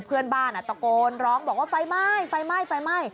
เพื่อนบ้านตะโกนร้องบอกว่าไฟไหม้